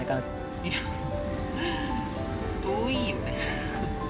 いや遠いよね？